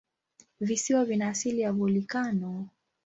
Visiwa vina asili ya volikano.